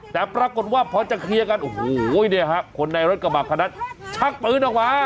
แต่ปรากฏว่าพอจะเคลียร์กันโอ้โหคนในรถกระบาดคณะชักปืนออกมา